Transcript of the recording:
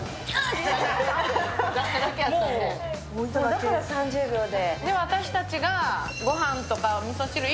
だから３０秒で。